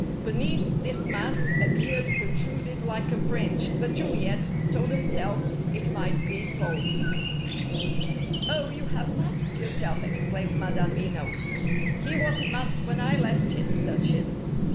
Beneath this mask a beard protruded like a fringe, but Juliet told herself it might be false. "Oh, you have masked yourself!" exclaimed Madame Veno. "He wasn't masked when I left him, Duchess!"